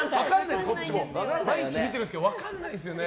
毎日見てるんですけど分かんないんですよね。